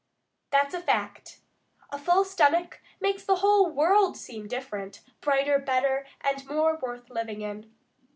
That's a fact. A full stomach makes the whole world seem different, brighter, better, and more worth living in.